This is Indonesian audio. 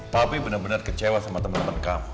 papi bener bener kecewa sama temen temen kamu